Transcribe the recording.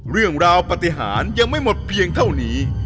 เรื่องราวปฏิหารยังไม่หมดเพียงเท่านี้